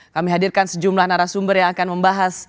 kami hadirkan sejumlah narasumber yang akan membahas